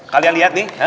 kalian lihat nih